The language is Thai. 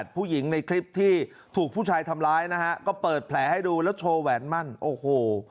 ผู้หญิงในคลิปที่ถูกผู้ชายทำร้ายนะฮะก็เปิดแผลให้ดูแล้วโชว์แหวนมั่นโอ้โห